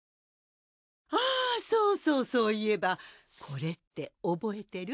あそうそうそういえばこれって覚えてる？